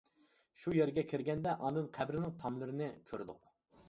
شۇ يەرگە كىرگەندە ئاندىن قەبرىنىڭ تاملىرىنى كۆردۇق.